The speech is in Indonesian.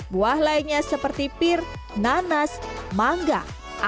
buah lainnya seperti pir nanas manga apel dan lainnya